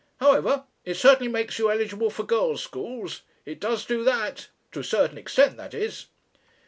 However it certainly makes you eligible for girls' schools; it does do that. To a certain extent, that is."